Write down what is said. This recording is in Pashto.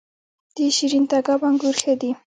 د شیرین تګاب انګور ښه دي